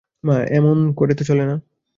মা, এমন করে তো চলে না।